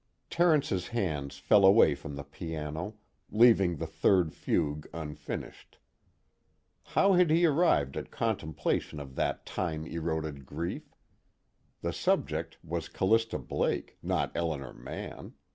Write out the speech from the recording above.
Terence's hands fell away from the piano, leaving the third Fugue unfinished. How had he arrived at contemplation of that time eroded grief? The subject was Callista Blake, not Elinor Mann.